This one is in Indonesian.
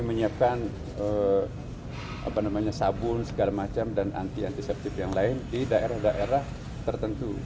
menyiapkan sabun segala macam dan anti antiseptif yang lain di daerah daerah tertentu